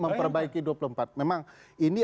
memperbaiki dua puluh empat memang ini